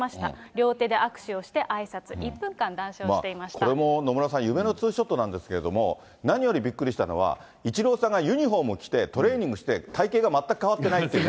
両手で握手をしてあいさつ、これも野村さん、夢のツーショットなんですけれども、何よりびっくりしたのは、イチローさんがユニホーム着て、トレーニングして、体形が全く変わってないっ